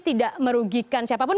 tidak merugikan siapapun